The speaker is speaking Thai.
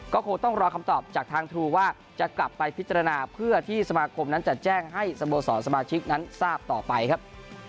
ก็คงต้องรอคำตอบจากทางทรูว่าจะกลับไปพิจารณาเพื่อที่สมาคมนั้นจะแจ้งให้สโมสรสมาชิกนั้นทราบต่อไปครับ